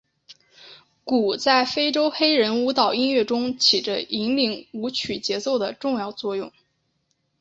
鼓在非洲黑人舞蹈音乐中起着引领舞曲节奏的重要作用。